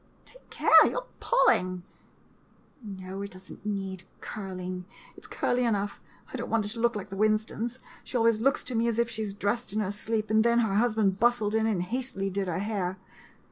Take care — you 're pulling. No, it does n't need curling, it 's curly enough. I don't want it to look like the Winston's. She always looks to me as if she dressed in her sleep, and then her husband bustled in and hastily did her hair.